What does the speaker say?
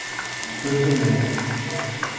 Switzer land